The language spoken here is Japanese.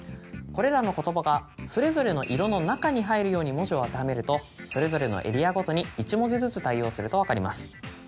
これらの言葉がそれぞれの色の中に入るように文字を当てはめるとそれぞれのエリアごとに１文字ずつ対応すると分かります。